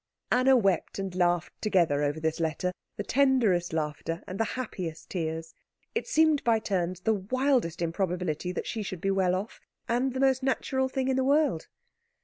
Anna wept and laughed together over this letter the tenderest laughter and the happiest tears. It seemed by turns the wildest improbability that she should be well off, and the most natural thing in the world.